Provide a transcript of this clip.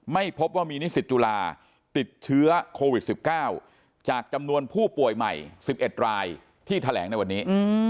ไม่พบว่ามีนิสิตจุฬาติดเชื้อโควิด๑๙จากจำนวนผู้ป่วยใหม่๑๑รายที่แถลงในวันนี้